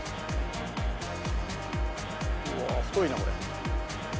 うわ太いなこれ。